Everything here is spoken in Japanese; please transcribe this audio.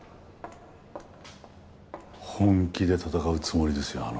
本気で戦うつもりですよ